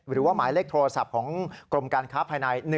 หรือว่าหมายเลขโทรศัพท์ของกรมการค้าภายใน๑๕๖๙